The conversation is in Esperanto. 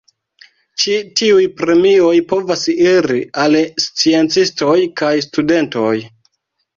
Ĉi tiuj premioj povas iri al sciencistoj kaj studentoj.